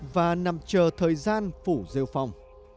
và nằm chờ thời gian phủ rêu phong